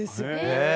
へえ。